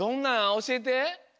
おしえて。